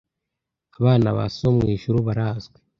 abana ba So wo mu ijuru barazwi